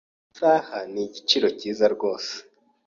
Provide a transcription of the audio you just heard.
Iyi saha nigiciro cyiza rwose.